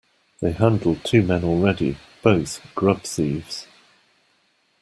They handled two men already, both grub-thieves.